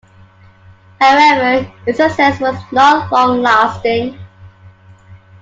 However, its success was not long-lasting.